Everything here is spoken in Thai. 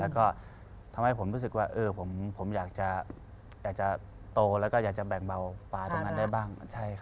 แล้วก็ทำให้ผมรู้สึกว่าผมอยากจะโตแล้วก็อยากจะแบ่งเบาปลาตรงนั้นได้บ้าง